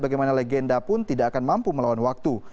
bagaimana legenda pun tidak akan mampu melawan waktu